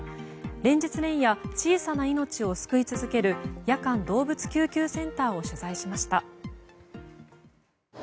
連日連夜、小さな命を救い続ける夜間動物救急センターを取材しました。